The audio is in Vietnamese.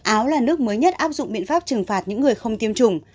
áo là nước mới nhất áp dụng biện pháp trừng phạt những người không tiêm chủng